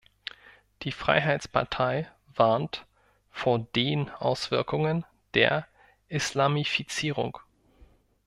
Die Freiheitspartei warnt vor den Auswirkungen der Islamifizierung.